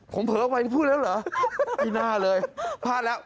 ผมเผลอวัยพูดแล้วเหรอปีหน้าเลยพลาดแล้ว